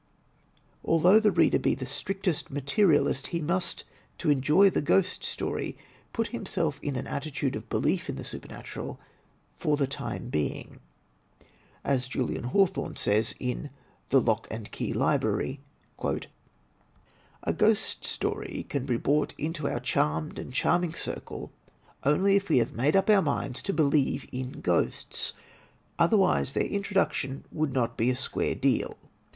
Although the reader be the strictest materialist, he must, to enjoy a ghost story, put himself in an attitude of belief in the supernatural for the time being. As Julian Hawthorne says, in " The Lock and Key Li brary": "A ghost story can be brought into our charmed and charming circle only if we have made up our minds to believe in the ghosts; otherwise their introduction would not be a square deal.